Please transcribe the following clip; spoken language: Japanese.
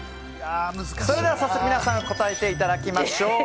それでは早速皆さん、答えていただきましょう。